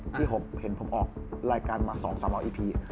ที่ผมเห็นผมออกรายการมา๒๓๐๐อีพี